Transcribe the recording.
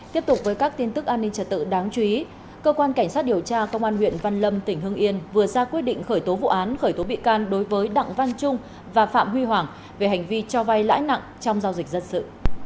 tiếp tục với các tin tức an ninh trật tự đáng chú ý cơ quan cảnh sát điều tra công an huyện văn lâm tỉnh hưng yên vừa ra quyết định khởi tố vụ án khởi tố bị can đối với đặng văn trung và phạm huy hoàng về hành vi cho vay lãi nặng trong giao dịch dân sự